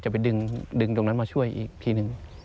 ไปดึงตรงนั้นมาช่วยอีกทีหนึ่ง